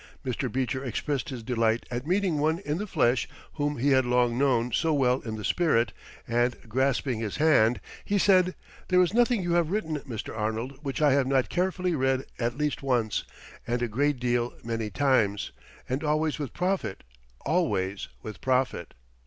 Mr. Beecher expressed his delight at meeting one in the flesh whom he had long known so well in the spirit, and, grasping his hand, he said: "There is nothing you have written, Mr. Arnold, which I have not carefully read at least once and a great deal many times, and always with profit, always with profit!"